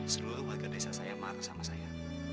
seluruh warga desa saya marah sama saya